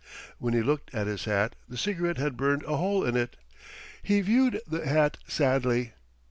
When he looked at his hat the cigarette had burned a hole in it. He viewed the hat sadly.